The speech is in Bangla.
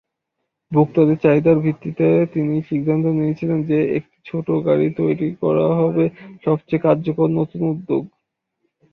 ভোক্তাদের চাহিদার ভিত্তিতে তিনি সিদ্ধান্ত নিয়েছিলেন যে একটি ছোট গাড়ি তৈরি করা হবে সবচেয়ে কার্যকর নতুন উদ্যোগ।